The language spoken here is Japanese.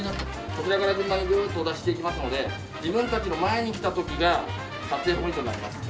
こちらから順番にぐるっとお出ししていきますので自分たちの前に来た時が撮影ポイントになります。